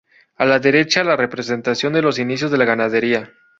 A la derecha la representación de los inicios de la ganadería.